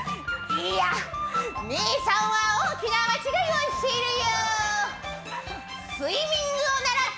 いや姉さんは大きな間違いをしているよ。